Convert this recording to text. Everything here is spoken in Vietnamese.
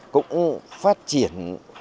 cũng phát triển